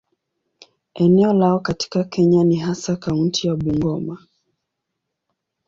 Eneo lao katika Kenya ni hasa kaunti ya Bungoma.